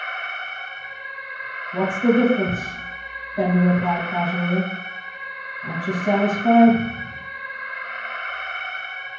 "What's the difference?" Benda replied casually. "Aren't you satisfied?"